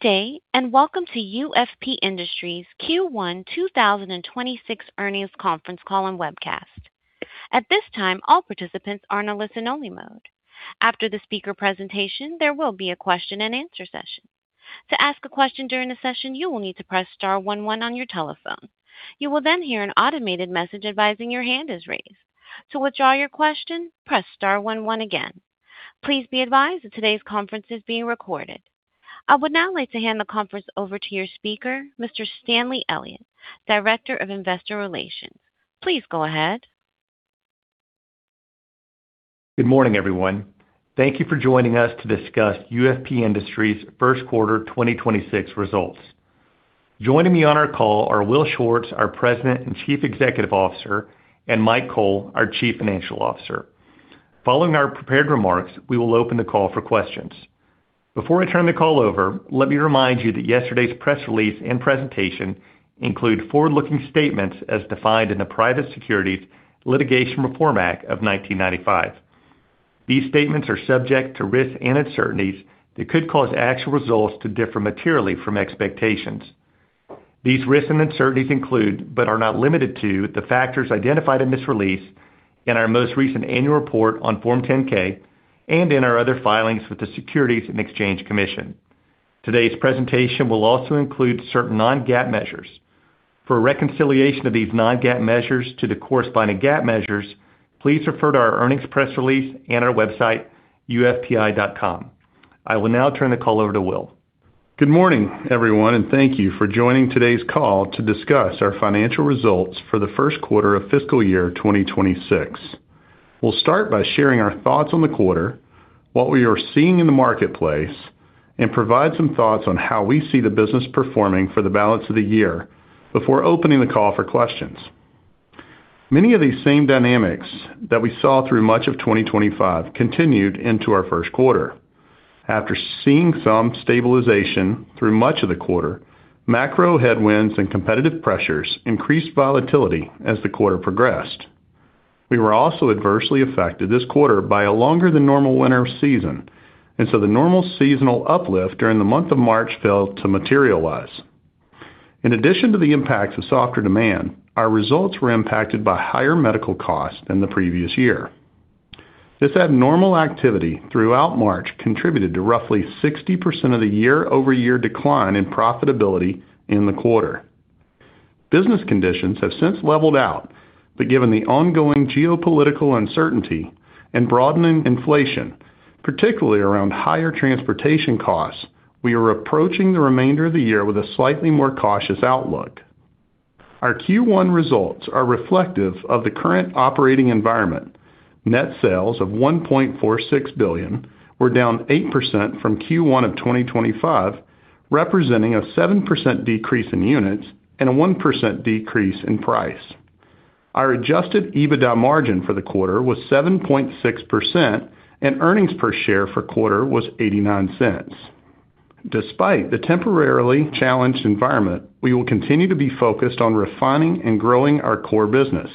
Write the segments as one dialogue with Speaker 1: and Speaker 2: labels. Speaker 1: Good day, and welcome to UFP Industries Q1 2026 earnings conference call and webcast. At this time, all participants are on a listen-only mode. After the speaker presentation there will be a question-and-answer session. Please be advised that today's conference is being recorded. I would now like to hand the conference over to your speaker, Mr. Stanley Elliott, Director of Investor Relations. Please go ahead.
Speaker 2: Good morning, everyone. Thank you for joining us to discuss UFP Industries' first quarter 2026 results. Joining me on our call are Will Schwartz, our President and Chief Executive Officer, and Mike Cole, our Chief Financial Officer. Following our prepared remarks, we will open the call for questions. Before I turn the call over, let me remind you that yesterday's press release and presentation include forward-looking statements as defined in the Private Securities Litigation Reform Act of 1995. These statements are subject to risks and uncertainties that could cause actual results to differ materially from expectations. These risks and uncertainties include, but are not limited to, the factors identified in this release, in our most recent annual report on Form 10-K, and in our other filings with the Securities and Exchange Commission. Today's presentation will also include certain non-GAAP measures. For a reconciliation of these non-GAAP measures to the corresponding GAAP measures, please refer to our earnings press release and our website, ufpi.com. I will now turn the call over to Will.
Speaker 3: Good morning, everyone, and thank you for joining today's call to discuss our financial results for the first quarter of fiscal year 2026. We'll start by sharing our thoughts on the quarter, what we are seeing in the marketplace, and provide some thoughts on how we see the business performing for the balance of the year before opening the call for questions. Many of these same dynamics that we saw through much of 2025 continued into our first quarter. After seeing some stabilization through much of the quarter, macro headwinds and competitive pressures increased volatility as the quarter progressed. We were also adversely affected this quarter by a longer-than-normal winter season, and so the normal seasonal uplift during the month of March failed to materialize. In addition to the impacts of softer demand, our results were impacted by higher medical costs than the previous year. This abnormal activity throughout March contributed to roughly 60% of the year-over-year decline in profitability in the quarter. Business conditions have since leveled out, but given the ongoing geopolitical uncertainty and broadening inflation, particularly around higher transportation costs, we are approaching the remainder of the year with a slightly more cautious outlook. Our Q1 results are reflective of the current operating environment. Net sales of $1.46 billion were down 8% from Q1 of 2025, representing a 7% decrease in units and a 1% decrease in price. Our adjusted EBITDA margin for the quarter was 7.6%, and earnings per share for quarter was $0.89. Despite the temporarily challenged environment, we will continue to be focused on refining and growing our core business.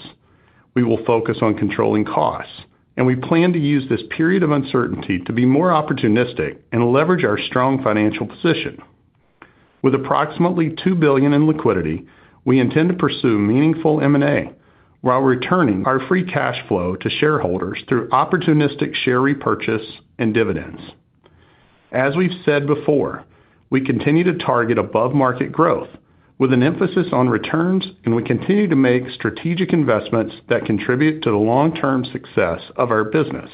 Speaker 3: We will focus on controlling costs, and we plan to use this period of uncertainty to be more opportunistic and leverage our strong financial position. With approximately $2 billion in liquidity, we intend to pursue meaningful M&A while returning our free cash flow to shareholders through opportunistic share repurchase and dividends. As we've said before, we continue to target above-market growth with an emphasis on returns, and we continue to make strategic investments that contribute to the long-term success of our business.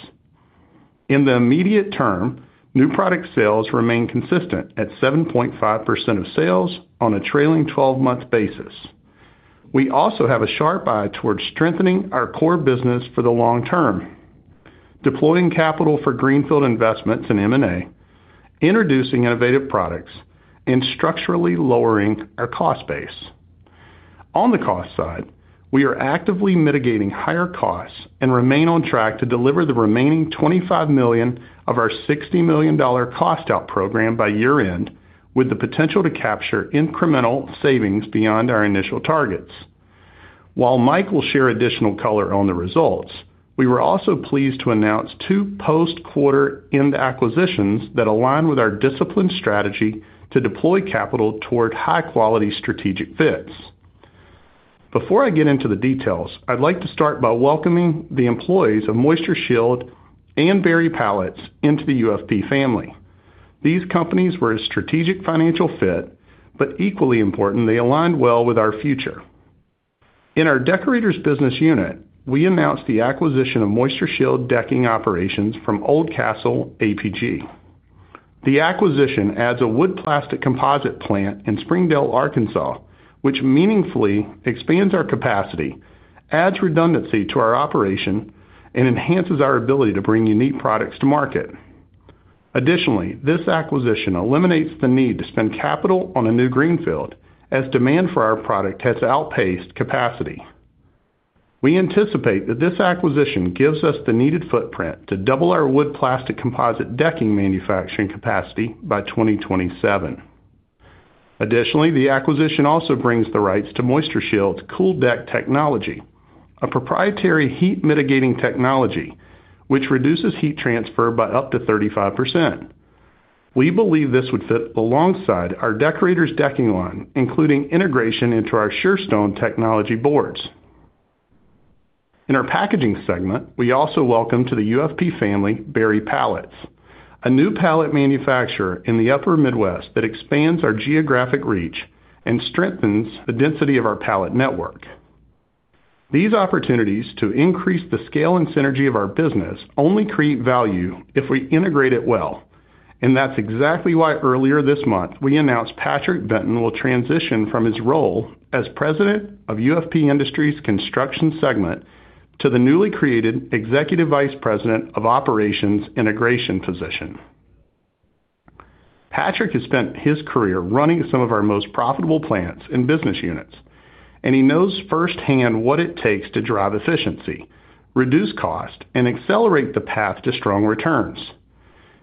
Speaker 3: In the immediate term, new product sales remain consistent at 7.5% of sales on a trailing 12-month basis. We also have a sharp eye towards strengthening our core business for the long term, deploying capital for greenfield investments in M&A, introducing innovative products, and structurally lowering our cost base. On the cost side, we are actively mitigating higher costs and remain on track to deliver the remaining $25 million of our $60 million cost-out program by year-end, with the potential to capture incremental savings beyond our initial targets. While Mike will share additional color on the results, we were also pleased to announce two post-quarter end acquisitions that align with our disciplined strategy to deploy capital toward high-quality strategic fits. Before I get into the details, I'd like to start by welcoming the employees of MoistureShield and Berry Pallets, Inc. into the UFP Industries family. These companies were a strategic financial fit. Equally important, they aligned well with our future. In our Deckorators business unit, we announced the acquisition of MoistureShield decking operations from Oldcastle APG. The acquisition adds a wood plastic composite plant in Springdale, Arkansas, which meaningfully expands our capacity, adds redundancy to our operation, and enhances our ability to bring unique products to market. Additionally, this acquisition eliminates the need to spend capital on a new greenfield as demand for our product has outpaced capacity. We anticipate that this acquisition gives us the needed footprint to double our wood plastic composite decking manufacturing capacity by 2027. Additionally, the acquisition also brings the rights to MoistureShield's CoolDeck technology, a proprietary heat-mitigating technology which reduces heat transfer by up to 35%. We believe this would fit alongside our Deckorators decking line, including integration into our Surestone technology boards. In our Packaging segment, we also welcome to the UFP family Berry Pallets, a new pallet manufacturer in the upper Midwest that expands our geographic reach and strengthens the density of our pallet network. These opportunities to increase the scale and synergy of our business only create value if we integrate it well, and that's exactly why earlier this month, we announced Patrick Benton will transition from his role as President of UFP Industries Construction Segment to the newly created Executive Vice President of Operations Integration position. Patrick has spent his career running some of our most profitable plants and business units, and he knows firsthand what it takes to drive efficiency, reduce cost, and accelerate the path to strong returns.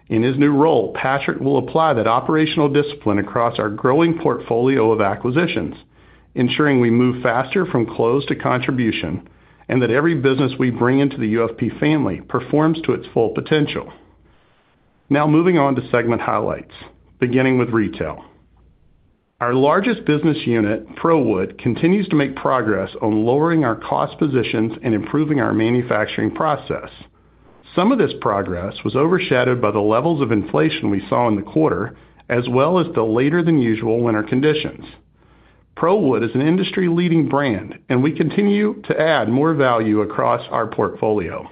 Speaker 3: In his new role, Patrick will apply that operational discipline across our growing portfolio of acquisitions, ensuring we move faster from close to contribution and that every business we bring into the UFP family performs to its full potential. Moving on to segment highlights, beginning with Retail. Our largest business unit, ProWood, continues to make progress on lowering our cost positions and improving our manufacturing process. Some of this progress was overshadowed by the levels of inflation we saw in the quarter, as well as the later than usual winter conditions. ProWood is an industry-leading brand, and we continue to add more value across our portfolio.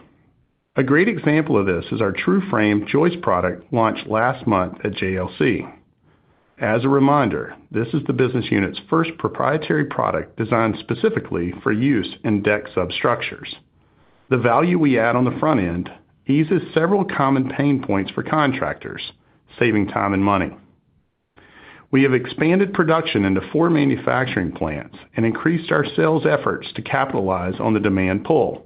Speaker 3: A great example of this is our TrueFrame joist product launched last month at JLC. As a reminder, this is the business unit's first proprietary product designed specifically for use in deck substructures. The value we add on the front end eases several common pain points for contractors, saving time and money. We have expanded production into four manufacturing plants and increased our sales efforts to capitalize on the demand pull.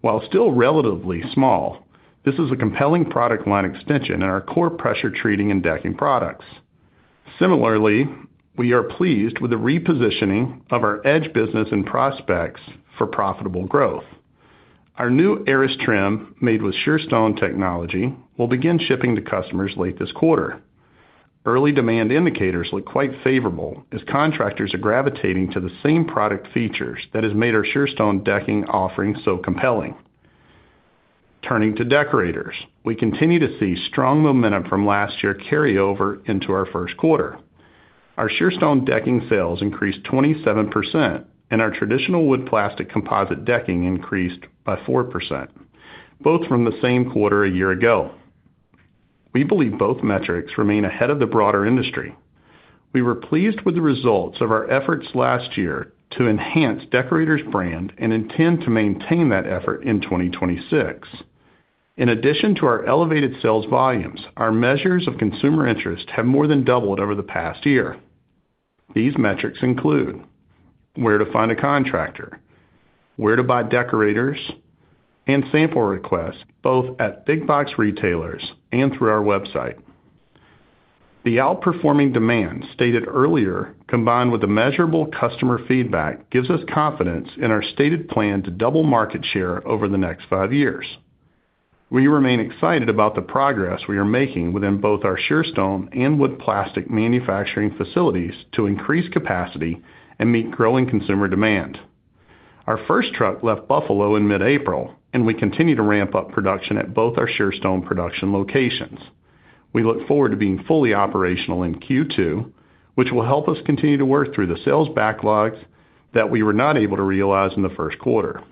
Speaker 3: While still relatively small, this is a compelling product line extension in our core pressure treating and decking products. Similarly, we are pleased with the repositioning of our Edge business and prospects for profitable growth. Our new Arris Trim made with Surestone technology will begin shipping to customers late this quarter. Early demand indicators look quite favorable as contractors are gravitating to the same product features that has made our Surestone decking offering so compelling. Turning to Deckorators, we continue to see strong momentum from last year carry over into our first quarter. Our Surestone decking sales increased 27%, and our traditional wood plastic composite decking increased by 4%, both from the same quarter a year ago. We believe both metrics remain ahead of the broader industry. We were pleased with the results of our efforts last year to enhance Deckorators' brand and intend to maintain that effort in 2026. In addition to our elevated sales volumes, our measures of consumer interest have more than doubled over the past year. These metrics include where to find a contractor, where to buy Deckorators, and sample requests, both at big box retailers and through our website. The outperforming demand stated earlier, combined with the measurable customer feedback, gives us confidence in our stated plan to double market share over the next five years. We remain excited about the progress we are making within both our Surestone and wood plastic manufacturing facilities to increase capacity and meet growing consumer demand. Our first truck left Buffalo in mid-April, and we continue to ramp up production at both our Surestone production locations. We look forward to being fully operational in Q2, which will help us continue to work through the sales backlogs that we were not able to realize in the first quarter.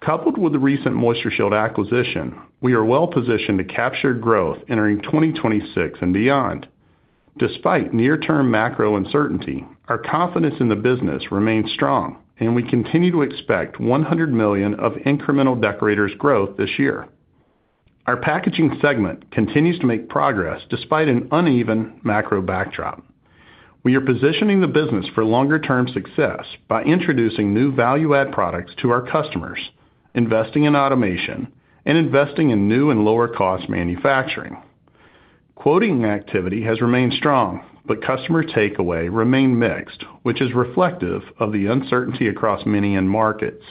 Speaker 3: Coupled with the recent MoistureShield acquisition, we are well-positioned to capture growth entering 2026 and beyond. Despite near-term macro uncertainty, our confidence in the business remains strong, and we continue to expect $100 million of incremental Deckorators growth this year. Our Packaging segment continues to make progress despite an uneven macro backdrop. We are positioning the business for longer-term success by introducing new value-add products to our customers, investing in automation, and investing in new and lower-cost manufacturing. Quoting activity has remained strong, but customer takeaway remain mixed, which is reflective of the uncertainty across many end markets.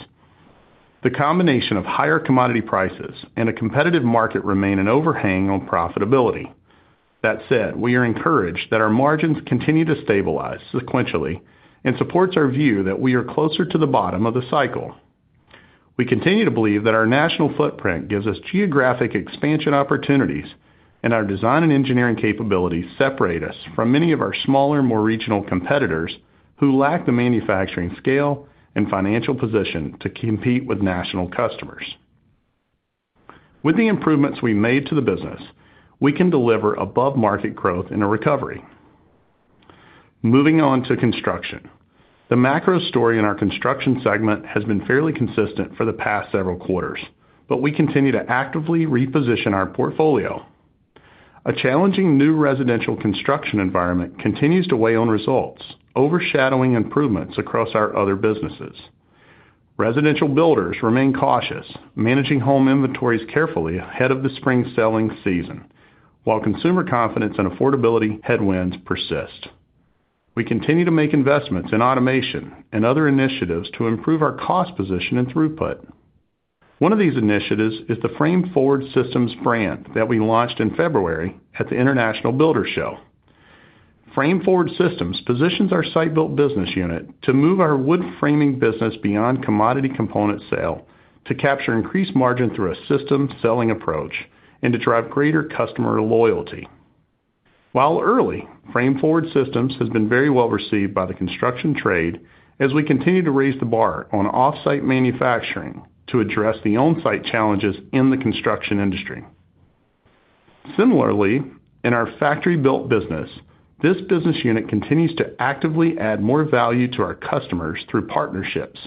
Speaker 3: The combination of higher commodity prices and a competitive market remain an overhang on profitability. That said, we are encouraged that our margins continue to stabilize sequentially and supports our view that we are closer to the bottom of the cycle. We continue to believe that our national footprint gives us geographic expansion opportunities and our design and engineering capabilities separate us from many of our smaller, more regional competitors who lack the manufacturing scale and financial position to compete with national customers. With the improvements we made to the business, we can deliver above-market growth in a recovery. Moving on to Construction. The macro story in our Construction segment has been fairly consistent for the past several quarters, but we continue to actively reposition our portfolio. A challenging new residential construction environment continues to weigh on results, overshadowing improvements across our other businesses. Residential builders remain cautious, managing home inventories carefully ahead of the spring selling season, while consumer confidence and affordability headwinds persist. We continue to make investments in automation and other initiatives to improve our cost position and throughput. One of these initiatives is the Frame Forward Systems brand that we launched in February at the International Builders' Show. Frame Forward Systems positions our Site-Built business unit to move our wood framing business beyond commodity component sale to capture increased margin through a system selling approach and to drive greater customer loyalty. While early, Frame Forward Systems has been very well-received by the construction trade as we continue to raise the bar on offsite manufacturing to address the on-site challenges in the construction industry. Similarly, in our Factory-Built business, this business unit continues to actively add more value to our customers through partnerships,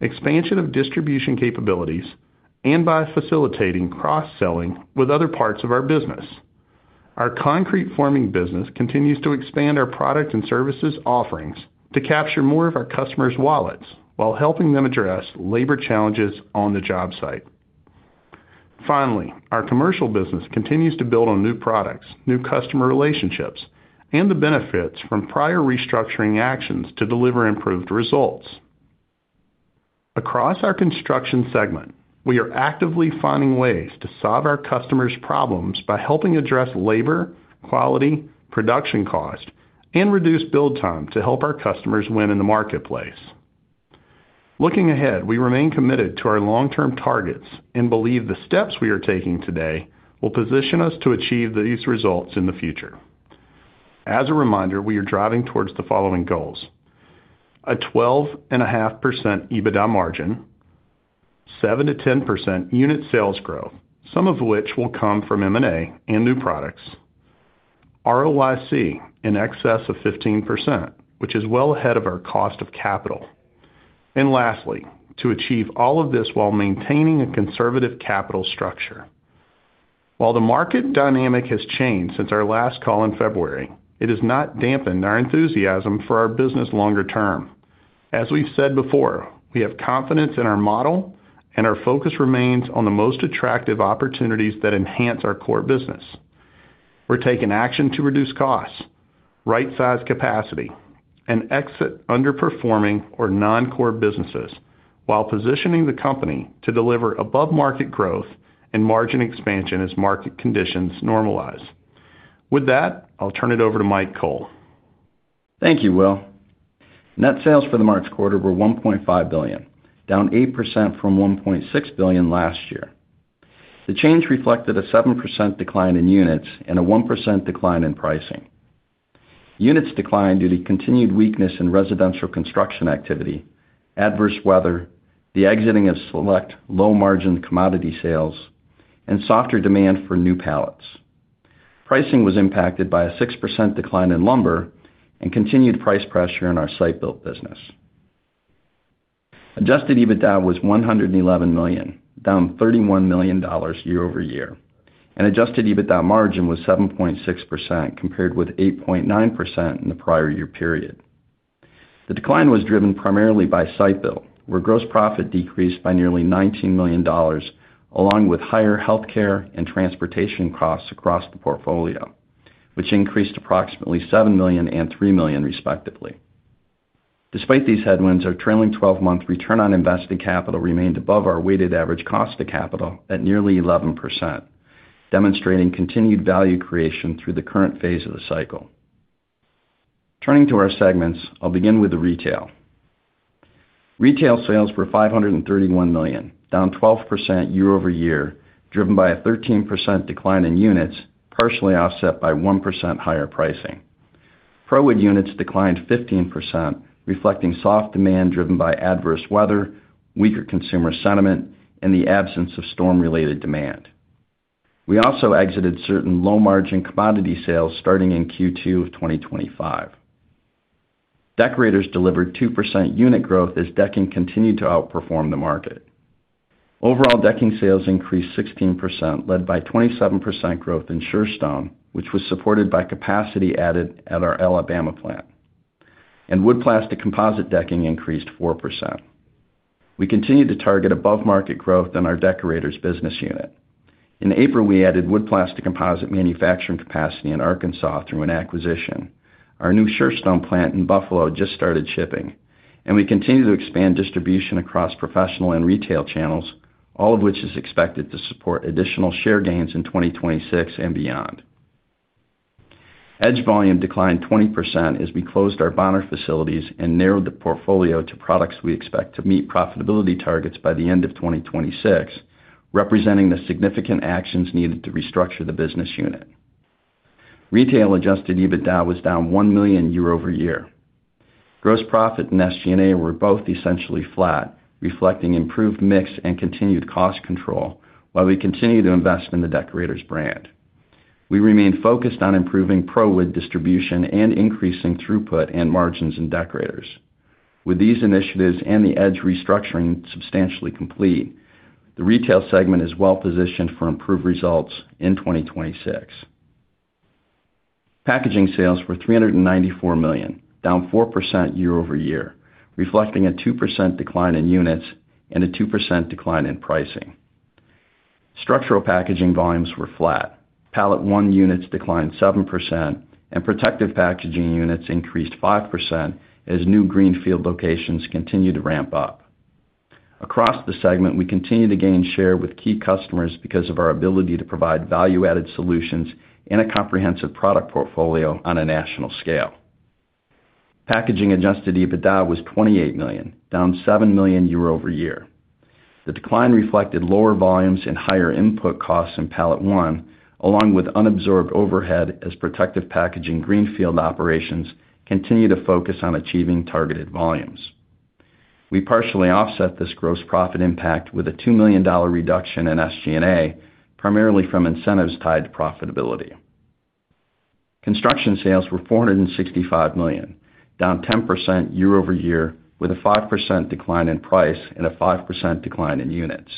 Speaker 3: expansion of distribution capabilities, and by facilitating cross-selling with other parts of our business. Our Concrete Forming business continues to expand our product and services offerings to capture more of our customers' wallets while helping them address labor challenges on the job site. Our Commercial business continues to build on new products, new customer relationships, and the benefits from prior restructuring actions to deliver improved results. Across our Construction segment, we are actively finding ways to solve our customers' problems by helping address labor, quality, production cost, and reduce build time to help our customers win in the marketplace. Looking ahead, we remain committed to our long-term targets and believe the steps we are taking today will position us to achieve these results in the future. We are driving towards the following goals: a 12.5% EBITDA margin; 7%-10% unit sales growth, some of which will come from M&A and new products; ROIC in excess of 15%, which is well ahead of our cost of capital; and lastly, to achieve all of this while maintaining a conservative capital structure. While the market dynamic has changed since our last call in February, it has not dampened our enthusiasm for our business longer term. As we've said before, we have confidence in our model and our focus remains on the most attractive opportunities that enhance our core business. We're taking action to reduce costs, right-size capacity, and exit underperforming or non-core businesses while positioning the company to deliver above-market growth and margin expansion as market conditions normalize. With that, I'll turn it over to Mike Cole.
Speaker 4: Thank you, Will. Net sales for the March quarter were $1.5 billion, down 8% from $1.6 billion last year. The change reflected a 7% decline in units and a 1% decline in pricing. Units declined due to continued weakness in residential construction activity, adverse weather, the exiting of select low-margin commodity sales, and softer demand for new pallets. Pricing was impacted by a 6% decline in lumber and continued price pressure in our Site-Built business. Adjusted EBITDA was $111 million, down $31 million year-over-year, and adjusted EBITDA margin was 7.6% compared with 8.9% in the prior year period. The decline was driven primarily by Site-Built, where gross profit decreased by nearly $19 million along with higher healthcare and transportation costs across the portfolio, which increased approximately $7 million and $3 million respectively. Despite these headwinds, our trailing 12-month return on invested capital remained above our weighted average cost of capital at nearly 11%, demonstrating continued value creation through the current phase of the cycle. Turning to our segments, I'll begin with the Retail. Retail sales were $531 million, down 12% year-over-year, driven by a 13% decline in units, partially offset by 1% higher pricing. ProWood units declined 15%, reflecting soft demand driven by adverse weather, weaker consumer sentiment, and the absence of storm-related demand. We also exited certain low-margin commodity sales starting in Q2 of 2025. Deckorators delivered 2% unit growth as decking continued to outperform the market. Overall decking sales increased 16%, led by 27% growth in Surestone, which was supported by capacity added at our Alabama plant. Wood plastic composite decking increased 4%. We continue to target above-market growth in our Deckorators business unit. In April, we added wood plastic composite manufacturing capacity in Arkansas through an acquisition. Our new Surestone plant in Buffalo just started shipping, and we continue to expand distribution across professional and retail channels, all of which is expected to support additional share gains in 2026 and beyond. Edge volume declined 20% as we closed our Bonner facilities and narrowed the portfolio to products we expect to meet profitability targets by the end of 2026, representing the significant actions needed to restructure the business unit. Retail adjusted EBITDA was down $1 million year-over-year. Gross profit and SG&A were both essentially flat, reflecting improved mix and continued cost control while we continue to invest in the Deckorators brand. We remain focused on improving ProWood distribution and increasing throughput and margins in Deckorators. With these initiatives and the Edge restructuring substantially complete, the Retail segment is well-positioned for improved results in 2026. Packaging sales were $394 million, down 4% year-over-year, reflecting a 2% decline in units and a 2% decline in pricing. Structural Packaging volumes were flat. PalletOne units declined 7% and Protective Packaging units increased 5% as new greenfield locations continue to ramp up. Across the segment, we continue to gain share with key customers because of our ability to provide value-added solutions in a comprehensive product portfolio on a national scale. Packaging adjusted EBITDA was $28 million, down $7 million year-over-year. The decline reflected lower volumes and higher input costs in PalletOne, along with unabsorbed overhead as Protective Packaging greenfield operations continue to focus on achieving targeted volumes. We partially offset this gross profit impact with a $2 million reduction in SG&A, primarily from incentives tied to profitability. Construction sales were $465 million, down 10% year-over-year, with a 5% decline in price and a 5% decline in units.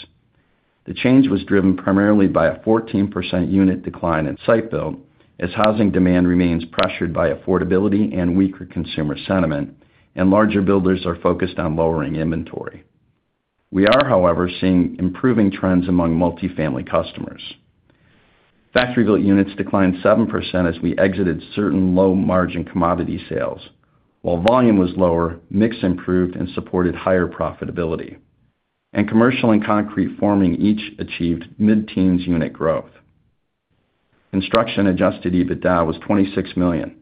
Speaker 4: The change was driven primarily by a 14% unit decline in Site-Built, as housing demand remains pressured by affordability and weaker consumer sentiment, and larger builders are focused on lowering inventory. We are, however, seeing improving trends among multi-family customers. Factory-Built units declined 7% as we exited certain low-margin commodity sales. While volume was lower, mix improved and supported higher profitability. Commercial and Concrete Forming each achieved mid-teens unit growth. Construction adjusted EBITDA was $26 million,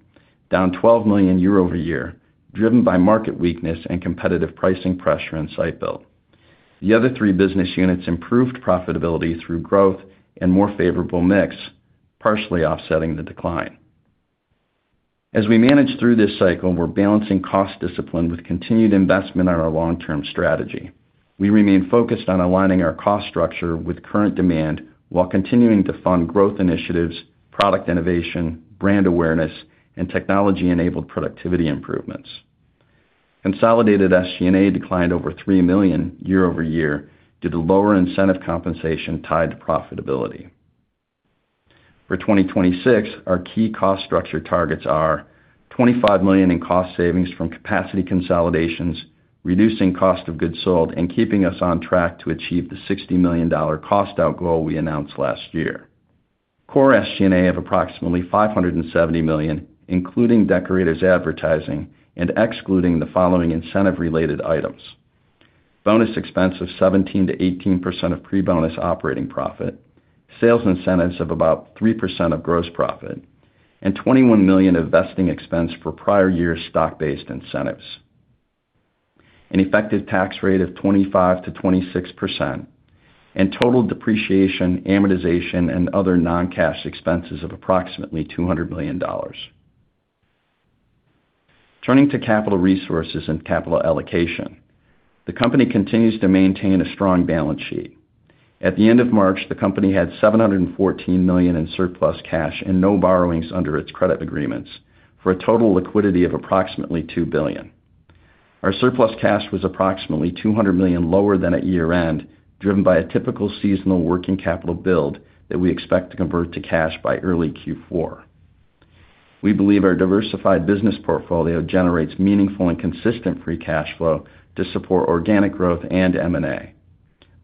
Speaker 4: down $12 million year-over-year, driven by market weakness and competitive pricing pressure in Site-Built. The other three business units improved profitability through growth and more favorable mix, partially offsetting the decline. As we manage through this cycle, we're balancing cost discipline with continued investment on our long-term strategy. We remain focused on aligning our cost structure with current demand while continuing to fund growth initiatives, product innovation, brand awareness, and technology-enabled productivity improvements. Consolidated SG&A declined over $3 million year-over-year due to lower incentive compensation tied to profitability. For 2026, our key cost structure targets are $25 million in cost savings from capacity consolidations, reducing cost of goods sold, and keeping us on track to achieve the $60 million cost out goal we announced last year. Core SG&A of approximately $570 million, including Deckorators advertising and excluding the following incentive-related items: bonus expense of 17%-18% of pre-bonus operating profit, sales incentives of about 3% of gross profit, and $21 million of vesting expense for prior years stock-based incentives, an effective tax rate of 25%-26%, and total depreciation, amortization, and other non-cash expenses of approximately $200 million. Turning to capital resources and capital allocation. The company continues to maintain a strong balance sheet. At the end of March, the company had $714 million in surplus cash and no borrowings under its credit agreements for a total liquidity of approximately $2 billion. Our surplus cash was approximately $200 million lower than at year-end, driven by a typical seasonal working capital build that we expect to convert to cash by early Q4. We believe our diversified business portfolio generates meaningful and consistent free cash flow to support organic growth and M&A.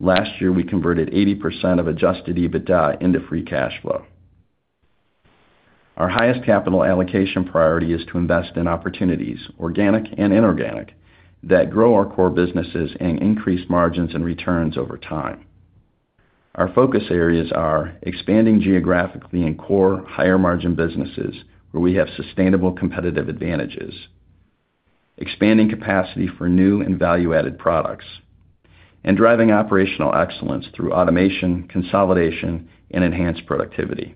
Speaker 4: Last year, we converted 80% of adjusted EBITDA into free cash flow. Our highest capital allocation priority is to invest in opportunities, organic and inorganic, that grow our core businesses and increase margins and returns over time. Our focus areas are expanding geographically in core higher margin businesses where we have sustainable competitive advantages, expanding capacity for new and value-added products, and driving operational excellence through automation, consolidation, and enhanced productivity.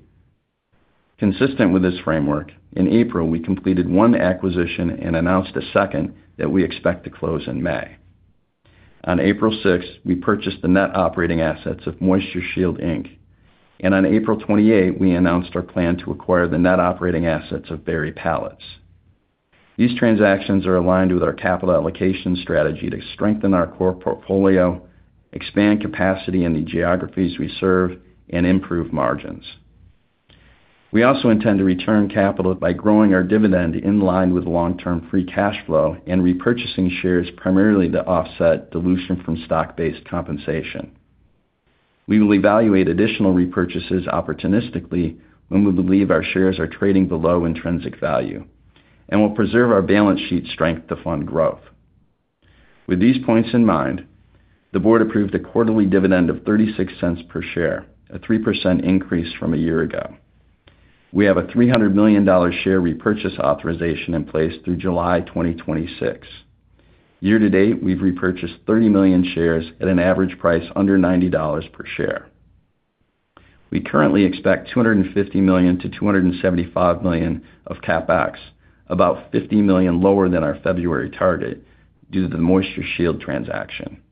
Speaker 4: Consistent with this framework, in April, we completed one acquisition and announced a second that we expect to close in May. On April 6, we purchased the net operating assets of MoistureShield Inc. On April 28, we announced our plan to acquire the net operating assets of Berry Pallets. These transactions are aligned with our capital allocation strategy to strengthen our core portfolio, expand capacity in the geographies we serve, and improve margins. We also intend to return capital by growing our dividend in line with long-term free cash flow and repurchasing shares primarily to offset dilution from stock-based compensation. We will evaluate additional repurchases opportunistically when we believe our shares are trading below intrinsic value, and we'll preserve our balance sheet strength to fund growth. With these points in mind, the Board approved a quarterly dividend of $0.36 per share, a 3% increase from a year ago. We have a $300 million share repurchase authorization in place through July 2026. Year to date, we've repurchased 30 million shares at an average price under $90 per share. We currently expect $250 million-$275 million of CapEx, about $50 million lower than our February target, due to the MoistureShield transaction.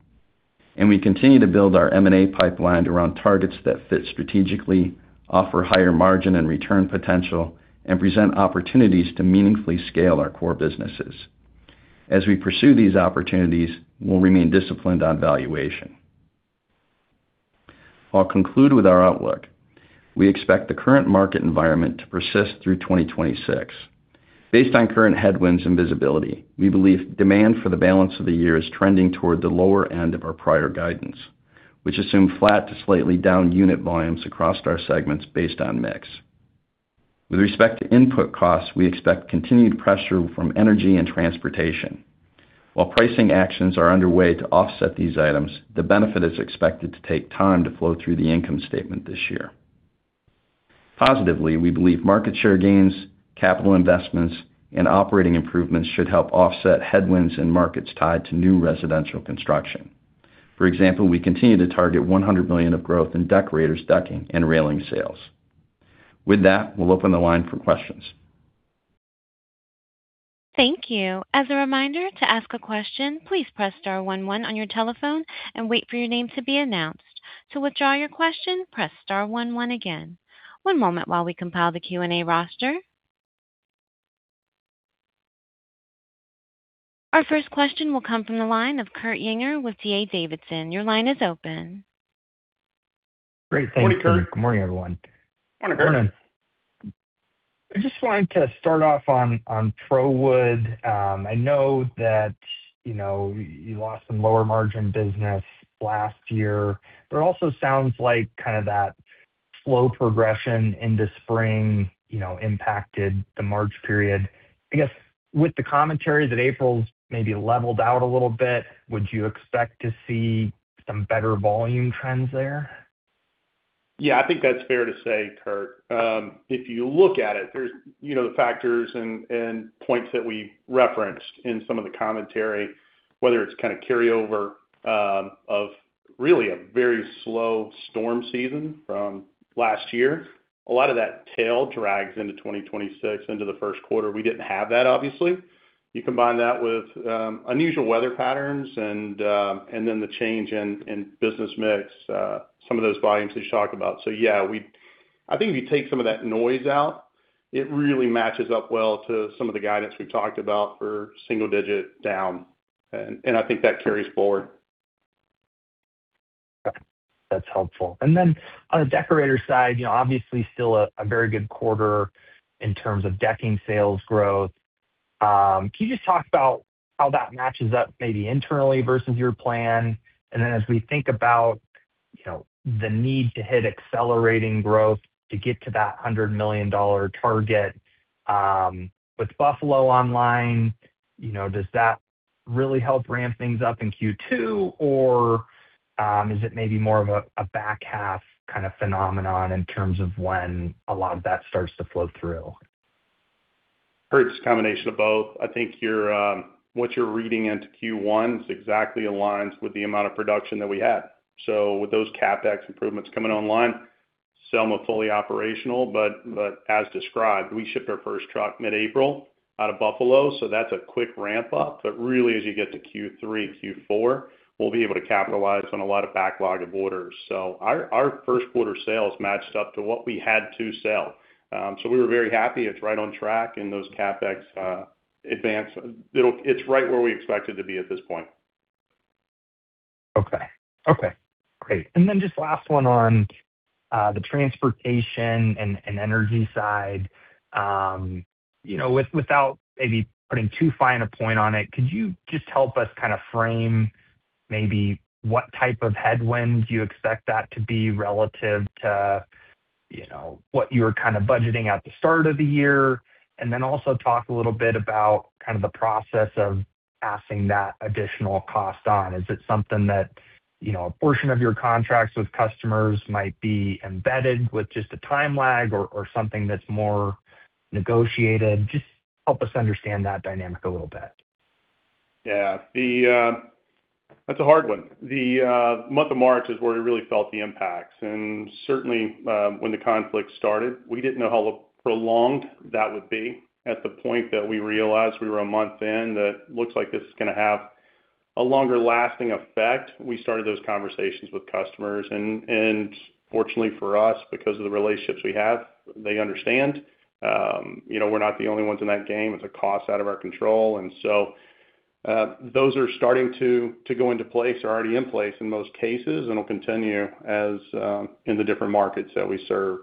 Speaker 4: We continue to build our M&A pipeline around targets that fit strategically, offer higher margin and return potential, and present opportunities to meaningfully scale our core businesses. As we pursue these opportunities, we'll remain disciplined on valuation. I'll conclude with our outlook. We expect the current market environment to persist through 2026. Based on current headwinds and visibility, we believe demand for the balance of the year is trending toward the lower end of our prior guidance, which assume flat to slightly down unit volumes across our segments based on mix. With respect to input costs, we expect continued pressure from energy and transportation. While pricing actions are underway to offset these items, the benefit is expected to take time to flow through the income statement this year. Positively, we believe market share gains, capital investments, and operating improvements should help offset headwinds in markets tied to new residential construction. For example, we continue to target $100 million of growth in Deckorators decking and railing sales. With that, we'll open the line for questions.
Speaker 1: Thank you. Our first question will come from the line of Kurt Yinger with D.A. Davidson. Your line is open.
Speaker 5: Great. Thanks.
Speaker 3: Morning, Kurt.
Speaker 5: Good morning, everyone.
Speaker 3: Morning, Kurt.
Speaker 4: Morning.
Speaker 5: I just wanted to start off on ProWood. I know that, you know, you lost some lower margin business last year, but it also sounds like kind of that slow progression into spring, you know, impacted the March period. I guess with the commentary that April's maybe leveled out a little bit, would you expect to see some better volume trends there?
Speaker 3: Yeah, I think that's fair to say, Kurt. If you look at it, there's, you know, the factors and points that we referenced in some of the commentary, whether it's kind of carryover of really a very slow storm season from last year. A lot of that tail drags into 2026 into the first quarter. We didn't have that, obviously. You combine that with unusual weather patterns and then the change in business mix, some of those volumes we've talked about. Yeah, I think if you take some of that noise out, it really matches up well to some of the guidance we've talked about for single digit down, and I think that carries forward.
Speaker 5: That's helpful. On the Deckorators side, you know, obviously still a very good quarter in terms of decking sales growth. Can you just talk about how that matches up maybe internally versus your plan? As we think about, you know, the need to hit accelerating growth to get to that $100 million target, with Buffalo online, you know, does that really help ramp things up in Q2? Is it maybe more of a back half kind of phenomenon in terms of when a lot of that starts to flow through?
Speaker 3: Kurt, it's a combination of both. I think you're, what you're reading into Q1 is exactly aligns with the amount of production that we had. With those CapEx improvements coming online, some are fully operational, but as described, we shipped our first truck mid-April out of Buffalo, so that's a quick ramp up. Really, as you get to Q3, Q4, we'll be able to capitalize on a lot of backlog of orders. Our, our first quarter sales matched up to what we had to sell. We were very happy. It's right on track in those CapEx, advance. It's right where we expect it to be at this point.
Speaker 5: Okay. Okay, great. Just last one on the transportation and energy side. You know, without maybe putting too fine a point on it, could you just help us kind of frame maybe what type of headwinds you expect that to be relative to, you know, what you were kind of budgeting at the start of the year? Also talk a little bit about kind of the process of passing that additional cost on. Is it something that, you know, a portion of your contracts with customers might be embedded with just a time lag or something that's more negotiated? Just help us understand that dynamic a little bit.
Speaker 3: Yeah. That's a hard one. The month of March is where we really felt the impacts. Certainly, when the conflict started, we didn't know how prolonged that would be. At the point that we realized we were a month in, that looks like this is gonna have a longer lasting effect, we started those conversations with customers. Fortunately for us, because of the relationships we have, they understand, you know, we're not the only ones in that game. It's a cost out of our control. Those are starting to go into place or already in place in most cases and will continue as in the different markets that we serve.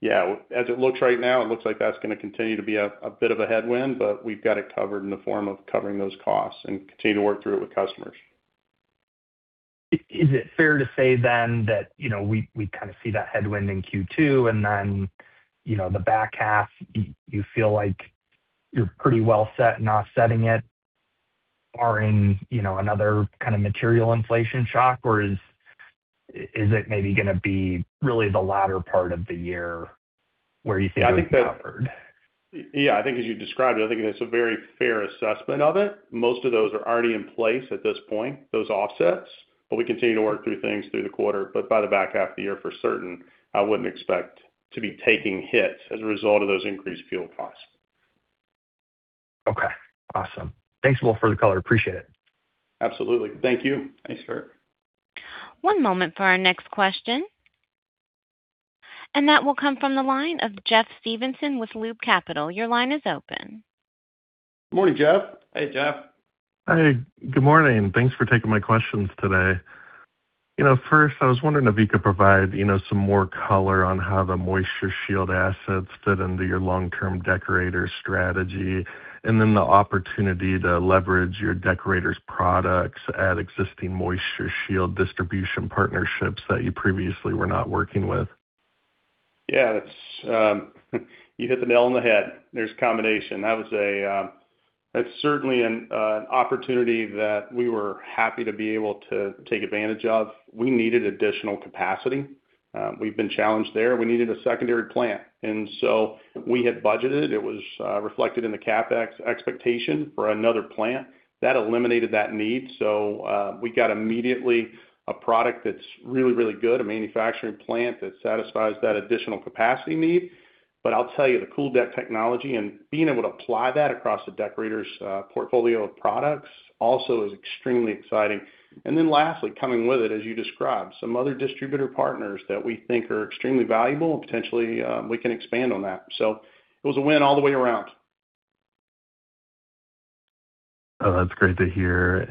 Speaker 3: Yeah, as it looks right now, it looks like that's gonna continue to be a bit of a headwind, but we've got it covered in the form of covering those costs and continue to work through it with customers.
Speaker 5: Is it fair to say then that, you know, we kind of see that headwind in Q2 and then, you know, the back half, you feel like you're pretty well set and offsetting it barring, you know, another kind of material inflation shock? Or is it maybe gonna be really the latter part of the year where you see it covered?
Speaker 3: Yeah, I think as you described it, I think that's a very fair assessment of it. Most of those are already in place at this point, those offsets, but we continue to work through things through the quarter. By the back half of the year, for certain, I wouldn't expect to be taking hits as a result of those increased fuel costs.
Speaker 5: Okay. Awesome. Thanks a lot for the color. Appreciate it.
Speaker 3: Absolutely. Thank you. Thanks, Kurt.
Speaker 1: One moment for our next question. That will come from the line of Jeff Stevenson with Loop Capital. Your line is open.
Speaker 3: Morning, Jeff.
Speaker 4: Hey, Jeff.
Speaker 6: Hi, good morning. Thanks for taking my questions today. You know, first, I was wondering if you could provide, you know, some more color on how the MoistureShield assets fit into your long-term Deckorators strategy, and then the opportunity to leverage your Deckorators products at existing MoistureShield distribution partnerships that you previously were not working with.
Speaker 3: Yeah. It's, you hit the nail on the head. There's a combination. It's certainly an opportunity that we were happy to be able to take advantage of. We needed additional capacity. We've been challenged there. We needed a secondary plant. We had budgeted, it was reflected in the CapEx expectation for another plant. That eliminated that need, so, we got immediately a product that's really, really good, a manufacturing plant that satisfies that additional capacity need. I'll tell you, the CoolDeck technology and being able to apply that across the Deckorators portfolio of products also is extremely exciting. Lastly, coming with it, as you described, some other distributor partners that we think are extremely valuable and potentially, we can expand on that. It was a win all the way around.
Speaker 6: Oh, that's great to hear.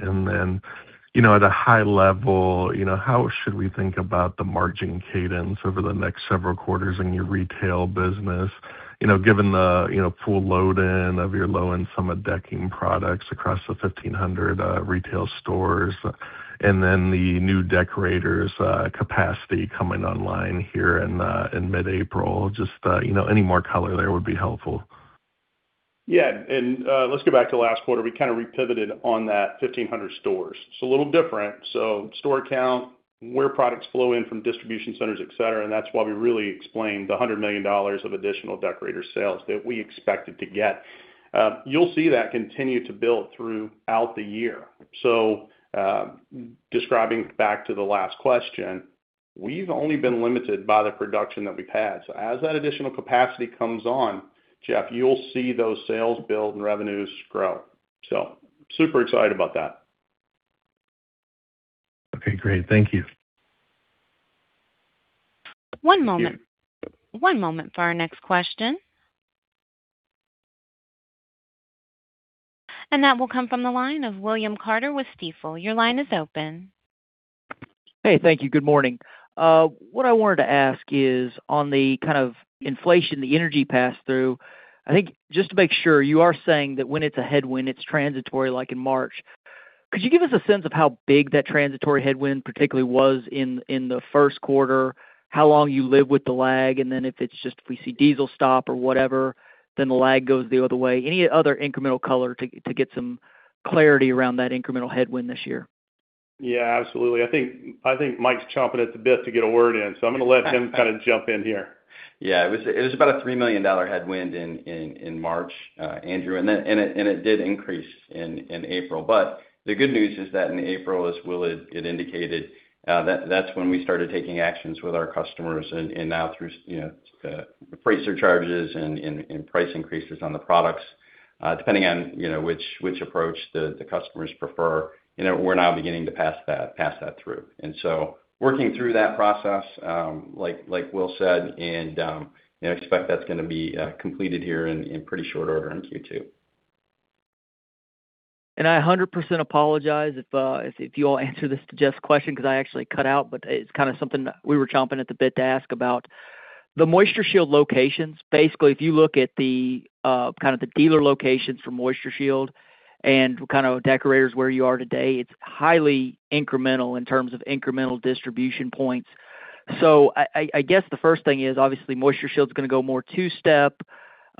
Speaker 6: You know, at a high level, you know, how should we think about the margin cadence over the next several quarters in your Retail business? You know, given the, you know, full load in of your low-end Summit decking products across the 1,500 retail stores and then the new Deckorators capacity coming online here in mid-April. Just, you know, any more color there would be helpful.
Speaker 3: Yeah. Let's go back to last quarter. We kind of repivoted on that 1,500 stores. It's a little different. Store count, where products flow in from distribution centers, et cetera, and that's why we really explained the $100 million of additional Deckorators sales that we expected to get. You'll see that continue to build throughout the year. Describing back to the last question, we've only been limited by the production that we've had. As that additional capacity comes on, Jeff, you'll see those sales build and revenues grow. Super excited about that.
Speaker 6: Okay, great. Thank you.
Speaker 1: One moment. One moment for our next question. That will come from the line of William Carter with Stifel. Your line is open.
Speaker 7: Hey, thank you. Good morning. What I wanted to ask is on the kind of inflation, the energy pass-through, I think just to make sure, you are saying that when it's a headwind, it's transitory like in March. Could you give us a sense of how big that transitory headwind particularly was in the first quarter? How long you live with the lag, and then if it's just we see diesel stop or whatever, then the lag goes the other way. Any other incremental color to get some clarity around that incremental headwind this year?
Speaker 3: Yeah, absolutely. I think Mike's chomping at the bit to get a word in, so I'm gonna let him kind of jump in here.
Speaker 4: Yeah. It was about a $3 million headwind in March, Andrew. It did increase in April. The good news is that in April, as Will had indicated, that's when we started taking actions with our customers and now through freight surcharges and price increases on the products, depending on which approach the customers prefer. We're now beginning to pass that through. Working through that process, like Will said, expect that's gonna be completed here in pretty short order in Q2.
Speaker 7: I a hundred percent apologize if you all answer this to Jeff's question because I actually cut out, but it's kind of something we were chomping at the bit to ask about. The MoistureShield locations. Basically, if you look at the, kind of the dealer locations for MoistureShield and kind of Deckorators where you are today, it's highly incremental in terms of incremental distribution points. I guess the first thing is obviously MoistureShield is gonna go more two-step.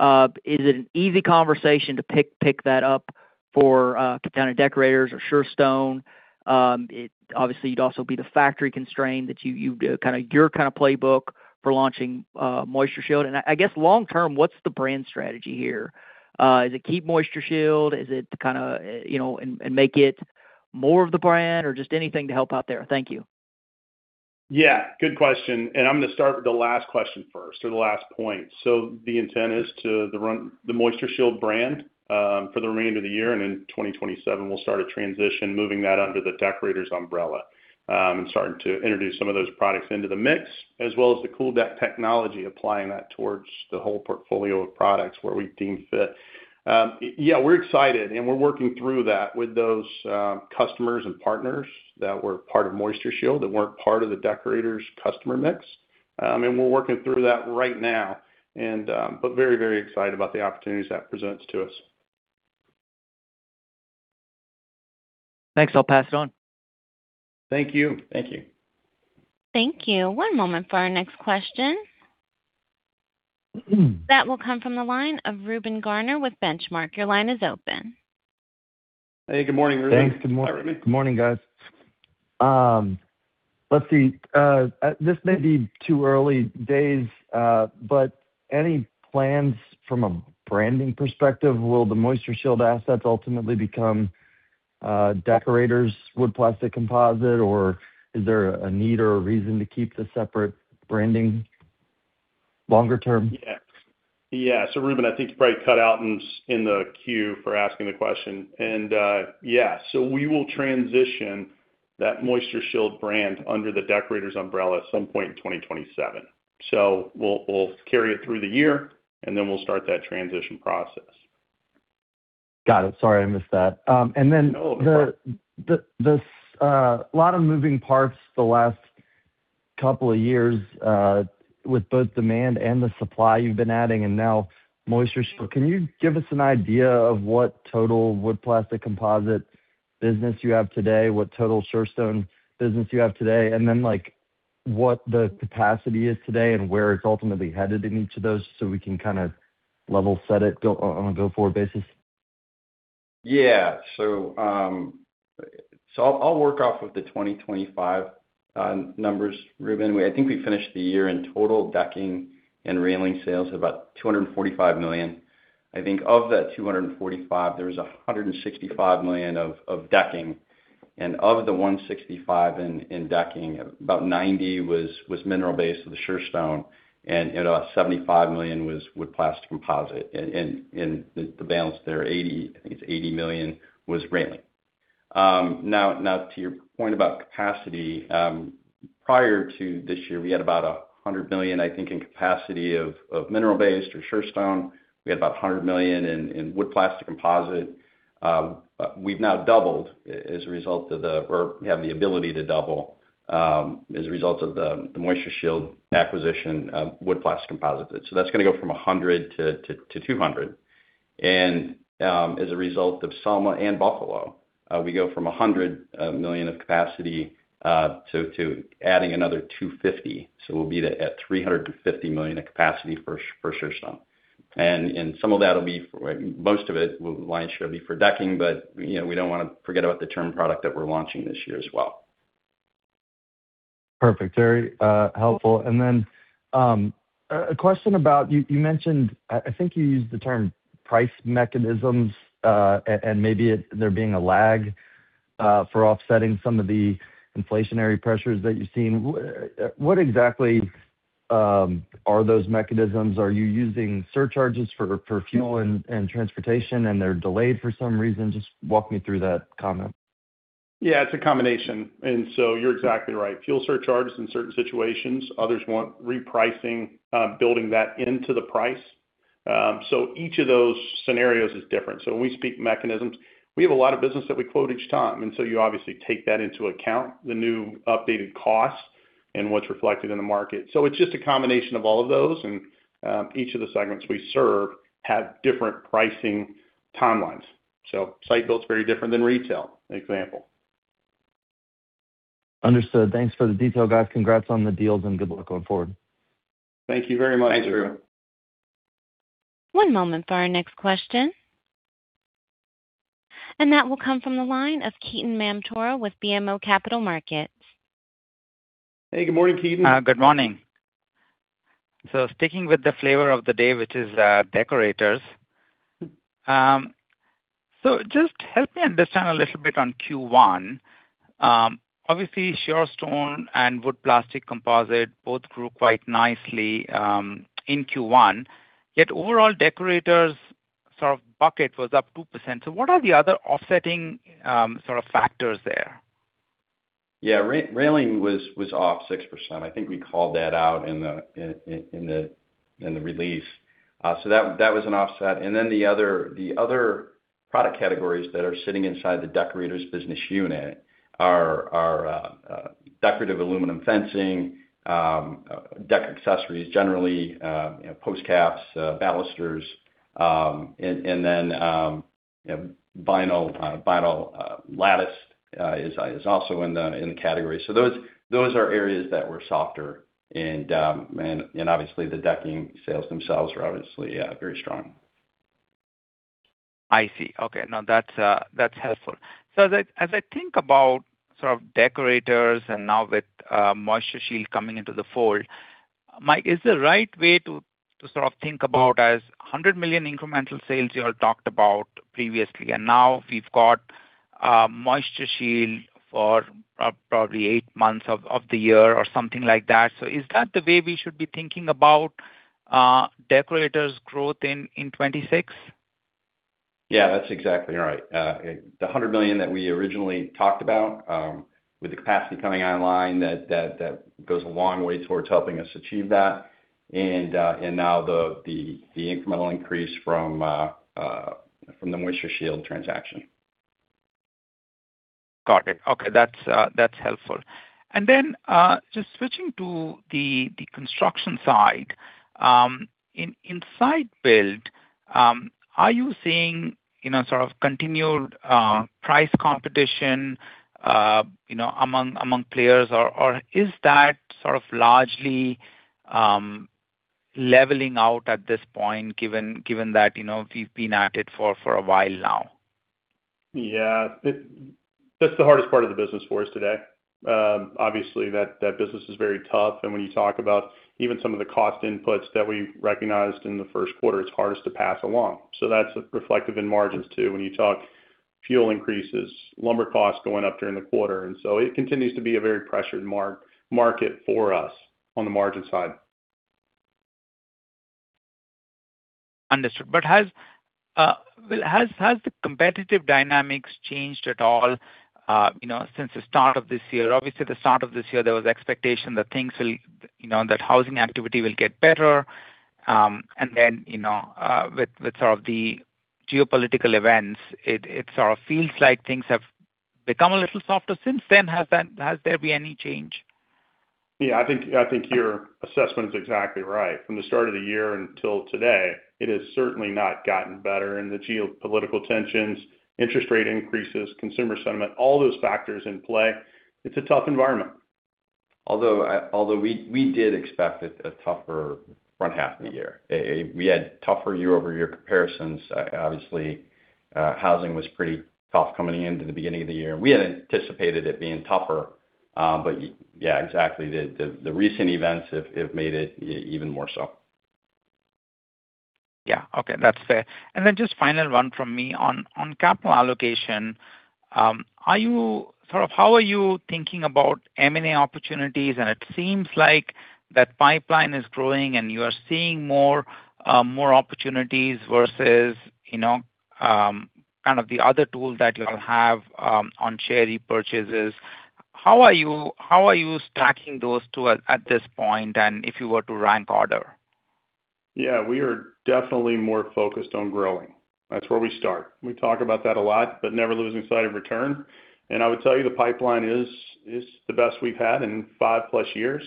Speaker 7: Is it an easy conversation to pick that up for, kind of Deckorators or Surestone? Obviously you'd also be the factory constraint that you, kind of your kind of playbook for launching MoistureShield. I guess long term, what's the brand strategy here? Is it keep MoistureShield? Is it to kinda, you know, and make it more of the brand or just anything to help out there? Thank you.
Speaker 3: Good question. I'm going to start with the last question first or the last point. The intent is to run the MoistureShield brand for the remainder of the year, and in 2027, we'll start a transition moving that under the Deckorators umbrella, and starting to introduce some of those products into the mix, as well as the CoolDeck technology, applying that towards the whole portfolio of products where we deem fit. We're excited, and we're working through that with those customers and partners that were part of MoistureShield, that weren't part of the Deckorators customer mix. We're working through that right now and very, very excited about the opportunities that presents to us.
Speaker 7: Thanks. I'll pass it on.
Speaker 3: Thank you.
Speaker 4: Thank you.
Speaker 1: Thank you. One moment for our next question. That will come from the line of Reuben Garner with Benchmark. Your line is open.
Speaker 3: Hey, good morning, Reuben.
Speaker 8: Thanks.
Speaker 4: Hi, Reuben.
Speaker 8: Good morning, guys. Let's see. This may be too early days, but any plans from a branding perspective? Will the MoistureShield assets ultimately become Deckorators wood plastic composite, or is there a need or a reason to keep the separate branding longer term?
Speaker 3: Reuben, I think you probably cut out in the queue for asking the question. We will transition that MoistureShield brand under the Deckorators umbrella at some point in 2027. We'll carry it through the year, and then we'll start that transition process.
Speaker 8: Got it. Sorry, I missed that.
Speaker 3: No, no problem.
Speaker 8: And this lot of moving parts the last couple of years, with both demand and the supply you've been adding and now MoistureShield. Can you give us an idea of what total wood plastic composite business you have today, what total Surestone business you have today, and then what the capacity is today and where it's ultimately headed in each of those so we can kind of level set it on a go-forward basis?
Speaker 4: Yeah. I'll work off of the 2025 numbers, Reuben. I think we finished the year in total decking and railing sales of about $245 million. I think of that $245 million, there was $165 million of decking. Of the $165 million in decking, about $90 million was mineral-based, so the Surestone, and about $75 million was wood plastic composite. The balance there, 80, I think it's $80 million, was railing. Now to your point about capacity, prior to this year, we had about $100 million, I think, in capacity of mineral-based or Surestone. We had about $100 million in wood plastic composite. We've now doubled as a result of the, or we have the ability to double, as a result of the MoistureShield acquisition of wood plastic composite. That's gonna go from $100 million to $200 million. As a result of Soma and Buffalo, we go from $100 million of capacity to adding another $250 million. We'll be at $350 million of capacity for Surestone. Some of that'll be for... line share will be for decking, but, you know, we don't wanna forget about the trim product that we're launching this year as well.
Speaker 8: Perfect. Very helpful. Then, a question about what you mentioned. I think you used the term price mechanisms, and maybe there being a lag for offsetting some of the inflationary pressures that you're seeing. What exactly are those mechanisms? Are you using surcharges for fuel and transportation, and they're delayed for some reason? Just walk me through that comment.
Speaker 3: Yeah. It's a combination. You're exactly right. Fuel surcharges in certain situations. Others want repricing, building that into the price. Each of those scenarios is different. When we speak mechanisms, we have a lot of business that we quote each time, you obviously take that into account, the new updated cost and what's reflected in the market. It's just a combination of all of those, and each of the segments we serve have different pricing timelines. Site-Built's very different than Retail, an example.
Speaker 8: Understood. Thanks for the detail, guys. Congrats on the deals and good luck going forward.
Speaker 3: Thank you very much, Reuben.
Speaker 4: Thank you.
Speaker 1: One moment for our next question. That will come from the line of Ketan Mamtora with BMO Capital Markets.
Speaker 3: Hey, good morning, Ketan.
Speaker 9: Good morning. Sticking with the flavor of the day, which is Deckorators. Just help me understand a little bit on Q1. Obviously Surestone and wood plastic composite both grew quite nicely, in Q1, yet overall Deckorators sort of bucket was up 2%. What are the other offsetting, sort of factors there?
Speaker 4: Yeah. Railing was off 6%. I think we called that out in the release. That was an offset. The other product categories that are sitting inside the Deckorators business unit are decorative aluminum fencing, deck accessories generally, post caps, balusters, and then vinyl lattice is also in the category. Those are areas that were softer. Obviously the decking sales themselves are obviously very strong.
Speaker 9: I see. Okay. No, that's that's helpful. As I, as I think about sort of Deckorators and now with MoistureShield coming into the fold, Mike, is the right way to sort of think about as $100 million incremental sales you all talked about previously, and now we've got MoistureShield for probably eight months of the year or something like that. Is that the way we should be thinking about Deckorators growth in 2026?
Speaker 4: Yeah, that's exactly right. The $100 million that we originally talked about, with the capacity coming online, that goes a long way towards helping us achieve that. Now the incremental increase from the MoistureShield transaction.
Speaker 9: Got it. Okay. That's helpful. Then, just switching to the construction side. In Site-Built, are you seeing, you know, sort of continued price competition, you know, among players or is that sort of largely leveling out at this point given that, you know, we've been at it for a while now?
Speaker 3: Yeah. That's the hardest part of the business for us today. Obviously that business is very tough. When you talk about even some of the cost inputs that we recognized in the first quarter, it's hardest to pass along. That's reflective in margins too when you talk fuel increases, lumber costs going up during the quarter. It continues to be a very pressured market for us on the margin side.
Speaker 9: Understood. Has the competitive dynamics changed at all, you know, since the start of this year? Obviously, the start of this year, there was expectation that things will, you know, that housing activity will get better. You know, with sort of the geopolitical events, it sort of feels like things have become a little softer since then. Has there been any change?
Speaker 3: Yeah. I think your assessment is exactly right. From the start of the year until today, it has certainly not gotten better. The geopolitical tensions, interest rate increases, consumer sentiment, all those factors in play, it's a tough environment.
Speaker 4: We did expect a tougher front half of the year. We had tougher year-over-year comparisons. Obviously, housing was pretty tough coming into the beginning of the year. We had anticipated it being tougher, but yeah, exactly. The recent events have made it even more so.
Speaker 9: Yeah. Okay. That's fair. Then just final one from me on capital allocation. Sort of how are you thinking about M&A opportunities? It seems like that pipeline is growing, and you are seeing more, more opportunities versus, you know, kind of the other tools that you have, on share repurchases. How are you, how are you stacking those two at this point, and if you were to rank order?
Speaker 3: Yeah. We are definitely more focused on growing. That's where we start. We talk about that a lot, but never losing sight of return. I would tell you the pipeline is the best we've had in five-plus years.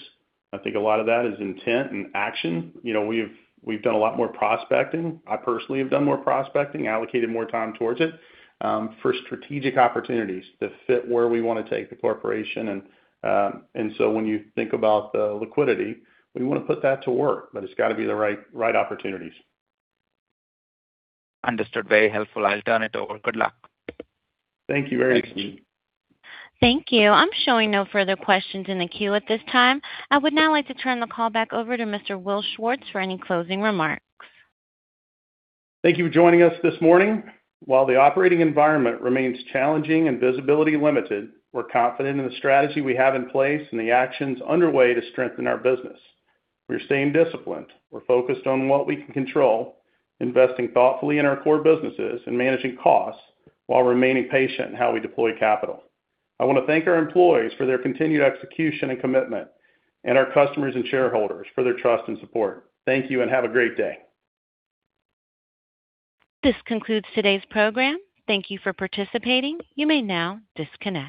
Speaker 3: I think a lot of that is intent and action. You know, we've done a lot more prospecting. I personally have done more prospecting, allocated more time towards it, for strategic opportunities that fit where we wanna take the corporation. When you think about the liquidity, we wanna put that to work, but it's gotta be the right opportunities.
Speaker 9: Understood. Very helpful. I'll turn it over. Good luck.
Speaker 3: Thank you very much.
Speaker 4: Thanks.
Speaker 1: Thank you. I'm showing no further questions in the queue at this time. I would now like to turn the call back over to Mr. Will Schwartz for any closing remarks.
Speaker 3: Thank you for joining us this morning. While the operating environment remains challenging and visibility limited, we're confident in the strategy we have in place and the actions underway to strengthen our business. We're staying disciplined. We're focused on what we can control, investing thoughtfully in our core businesses and managing costs while remaining patient in how we deploy capital. I wanna thank our employees for their continued execution and commitment, and our customers and shareholders for their trust and support. Thank you and have a great day.
Speaker 1: This concludes today's program. Thank you for participating. You may now disconnect.